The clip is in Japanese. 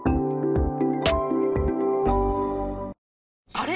あれ？